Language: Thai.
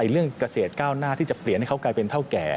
เรื่องเกษตรก้าวหน้าที่จะเปลี่ยนให้เขากลายเป็นเท่าแก่